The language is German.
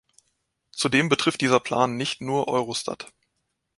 Zudem betrifft dieser Plan nicht nur Eurostat.